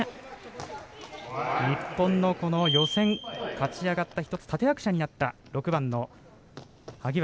日本の予選勝ち上がった１つ立て役者になった６番の萩原。